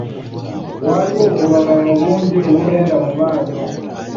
Waliwo obukuubagano bungi obugenda mu maaso.